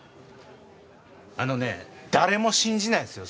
あのねえ誰も信じないですよ